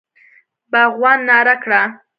باغوان ناره کړه!